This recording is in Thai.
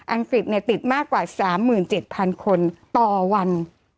อังกฤษเนี่ยติดมากกว่า๓๗๐๐๐คนต่อวัน